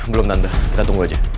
belum tanda kita tunggu aja